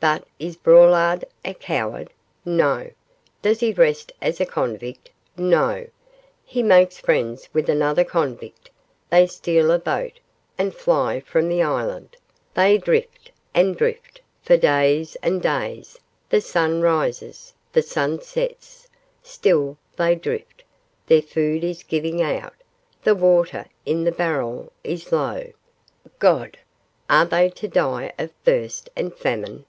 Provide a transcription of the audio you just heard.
But is Braulard a coward? No. Does he rest as a convict? No. He makes friends with another convict; they steal a boat, and fly from the island; they drift, and drift, for days and days; the sun rises, the sun sets still they drift; their food is giving out, the water in the barrel is low God! are they to die of thirst and famine?